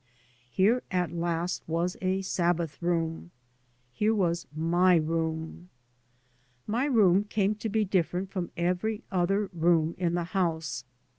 Here at last was a " Sabbath room." Here was my room. My room came to be differ ent from every other room in the house.